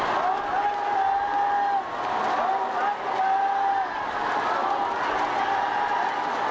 โอ้มัสดีครับ